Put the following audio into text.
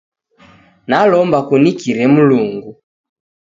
Nalomba kunikire Mulungu